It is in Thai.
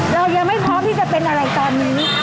เรายังไม่พร้อมที่จะเป็นอะไรตอนนี้